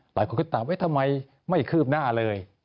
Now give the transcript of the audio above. หลายคนก็ถามว่าทำไมไม่คืบหน้าเลย